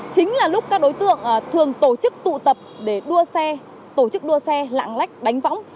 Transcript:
chính là lúc các đối tượng thường tổ chức tụ tập để đua xe tổ chức đua xe lạng lách đánh võng